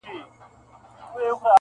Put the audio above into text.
o زه مي د شرف له دایرې وتلای نسمه,